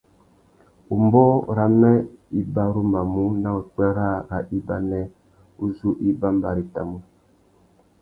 Umbōh râmê i barumanú nà upwê râā râ ibanê uzu i bambarétamú.